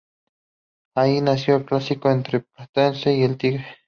Allí nació el clásico entre Platense y Tigre.